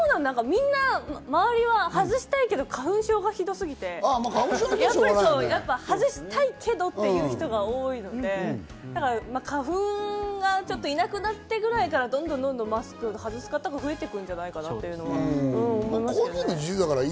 みんな周りは外したいけれども、花粉症がひどすぎて、やっぱり外したいけどっていう人が多くて、花粉がいなくなってぐらいから、どんどんマスク外す方が増えていくんじゃないかなというのは思いますけどね。